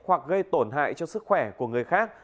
hoặc gây tổn hại cho sức khỏe của người khác